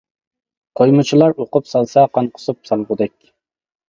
قويمىچىلار ئوقۇپ سالسا قان قۇسۇپ سالغۇدەك.